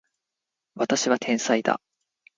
私は天才だ